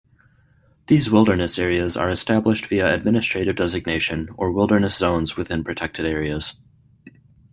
These wilderness areas are established via administrative designation or wilderness zones within protected areas.